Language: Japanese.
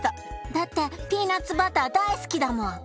だってピーナツバター大好きだもん。